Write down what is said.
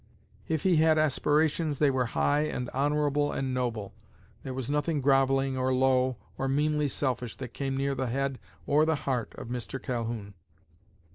If he had aspirations, they were high and honorable and noble. There was nothing grovelling or low, or meanly selfish that came near the head or the heart of Mr. Calhoun.